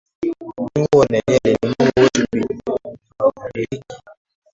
Mungu wa daniel ni mungu wetu pia habadiliki.